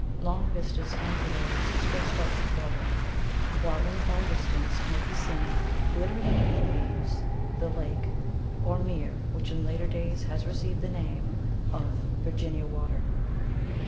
Long vistas and glades stretched out before them, while in the far distance might be seen glittering in the moonbeams the lake or mere which in later days has received the name of Virginia Water.